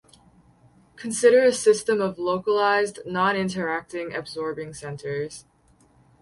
Consider a system of localized, non-interacting absorbing centers.